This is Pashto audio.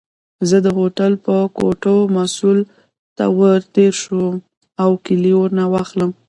زه د هوټل د کوټو مسؤل ته ورتېر شم او کیلۍ ورنه واخلم.